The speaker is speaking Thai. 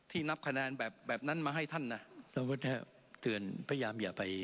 ที่นับคะแนนแบบแบบนั้นมาให้ท่านน่ะสำหรับว่าถ้าเตือนพยายามอย่าไป